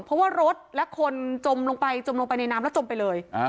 เพราะว่ารถและคนจมลงไปจมลงไปในน้ำแล้วจมไปเลย